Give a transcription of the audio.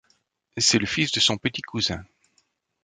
C'est le fils de son petit cousin.